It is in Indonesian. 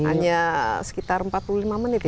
hanya sekitar empat puluh lima menit ya dari surabaya